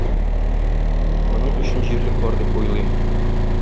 Моның өчен җирлек бар дип уйлыйм.